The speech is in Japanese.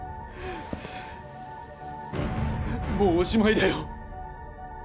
もうおしまいだよ